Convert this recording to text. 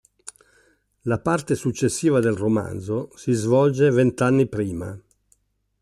La parte successiva del romanzo si svolge vent'anni prima.